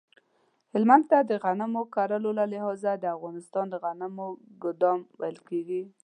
هلمند ته د غنم کرلو له لحاظه د افغانستان د غنمو ګدام ویل کیږی